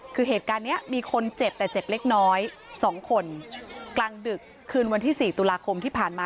คือเหตุการณ์นี้มีคนเจ็บแต่เจ็บเล็กน้อย๒คนกลางดึกคืนวันที่๔ตุลาคมที่ผ่านมา